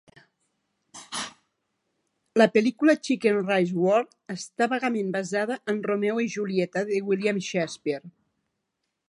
La pel·lícula "Chicken Rice War" està vagament basada en "Romeo i Julieta" de William Shakespeare.